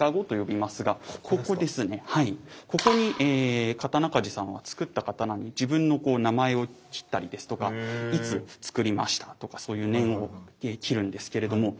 ここに刀鍛冶さんはつくった刀に自分の名前を切ったりですとかいつつくりましたとかそういう銘を切るんですけれども。